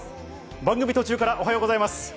番組途中からおはようございます。